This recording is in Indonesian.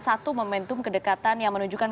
satu momentum kedekatan yang menunjukkan